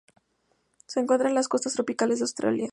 Se encuentra en las costas tropicales de Australia.